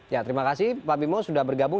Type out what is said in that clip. ya terima kasih pak bimo sudah bergabung